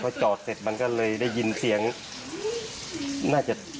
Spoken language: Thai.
พอจอดเสร็จมันก็เลยได้ยินเสียงน่าจะ